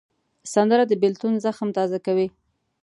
سندره د بېلتون زخم تازه کوي